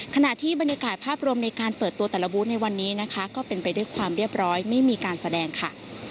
ขณะที่บรรยากาศภาพรวมในการเปิดตัวแต่ละบูธในวันนี้นะคะก็เป็นไปด้วยความเรียบร้อยไม่มีการแสดงค่ะ